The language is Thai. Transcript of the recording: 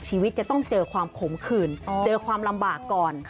ชีวิตจะต้องเจอความขมขื่นเจอความลำบากก่อน